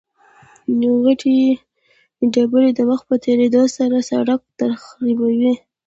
غټې ډبرې د وخت په تېرېدو سره سرک تخریبوي